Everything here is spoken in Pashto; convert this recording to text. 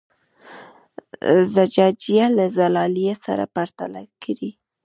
زجاجیه له زلالیې سره پرتله کړئ.